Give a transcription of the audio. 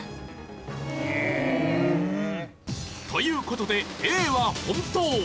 うーん。という事でＡは本当。